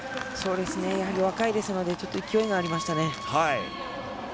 若いですので勢いがありましたね。